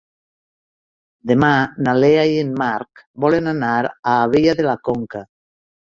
Demà na Lea i en Marc volen anar a Abella de la Conca.